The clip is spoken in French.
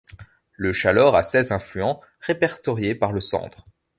Le Chalaure a seize affluents répertoriés par le Sandre.